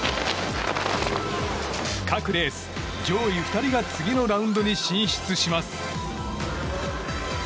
各レース上位２人が次のラウンドに進出します。